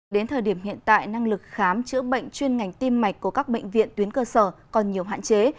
đến thời điểm hiện tại năng lực khám chữa bệnh chuyên ngành tim mạch của các bệnh viện tuyến cơ sở còn nhiều hạn chế